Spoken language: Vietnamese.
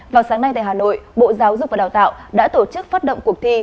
vào sáng nay tại hà nội bộ giáo dục và đào tạo đã tổ chức phát động cuộc thi